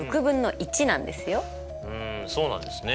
うんそうなんですね。